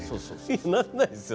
なんないっすよ